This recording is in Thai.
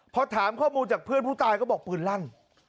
พอถามข้อมูลจากเพื่อนผู้ตายก็บอกปืนลั่น